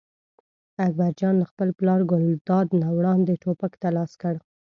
اکبر جان له خپل پلار ګلداد نه وړاندې ټوپک ته لاس کړ.